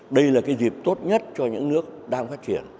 đây là cái dịp tốt nhất cho những nước đang phát triển